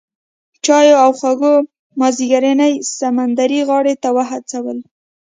چایو او خوږو مازیګرنۍ سمندرغاړې ته وهڅولو.